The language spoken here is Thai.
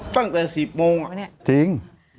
ตั้งแต่สิบโมง